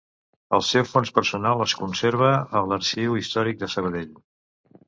El seu fons personal es conserva a l'Arxiu Històric de Sabadell.